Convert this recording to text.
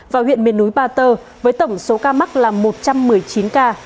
và huyện miền núi ba tơ với tổng số ca mắc là một trăm một mươi chín ca